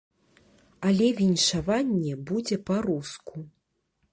Але віншаванне будзе па-руску.